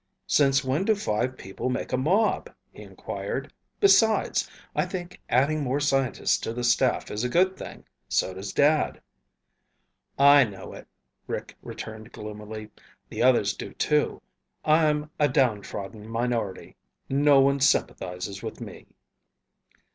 "Since when do five people make a mob?" he inquired. "Besides, I think adding more scientists to the staff is a good thing. So does Dad." "I know it," Rick returned gloomily. "The others do, too. I'm a downtrodden minority. No one sympathizes with me."